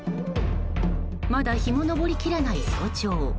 まだ日も昇りきらない早朝